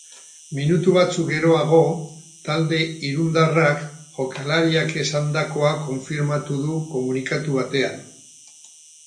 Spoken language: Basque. Minutu batzuk geroago, talde irundarrak jokalariak esandakoa konfirmatu du komunikatu batean.